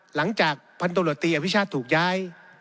หลังจากพันตรวจตีอภิชาติถูกย้าย